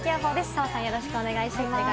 澤さん、よろしくお願いします。